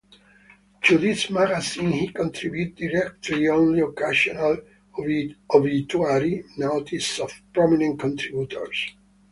To his magazine he contributed directly only occasional obituary notices of prominent contributors.